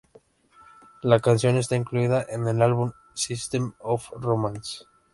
La canción está incluida en el álbum "Systems Of Romance".